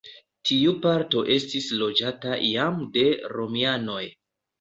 Tiu parto estis loĝata jam de romianoj.